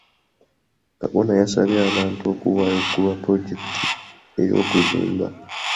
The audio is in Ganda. Kabona yasabye abantu okuwayo ku lwa pulojekiti y'okuzimba.